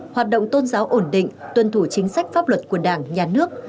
hoạt động tôn giáo ổn định tuân thủ chính sách pháp luật của đảng nhà nước